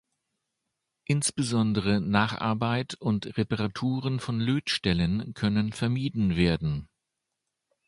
Insbesondere Nacharbeit und Reparaturen von Lötstellen können vermieden werden.